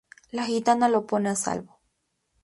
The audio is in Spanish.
La gitana lo pone a salvo.